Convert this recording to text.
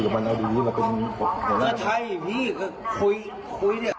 เวลาแบบมึงขอโทษแล้วก็คุยกับมันเอาดีมันเป็นแล้วไทยพี่ก็คุยคุยเนี่ย